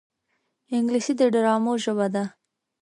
انګلیسي د ډرامو ژبه ده